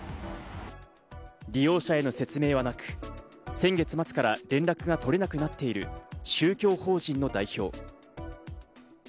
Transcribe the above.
利用者への説明はなく、先月末から連絡が取れなくなっている宗教法人の代表。